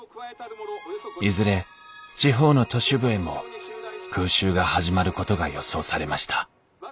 いずれ地方の都市部へも空襲が始まることが予想されました